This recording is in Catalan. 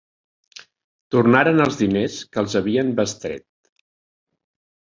Tornaren els diners que els havien bestret.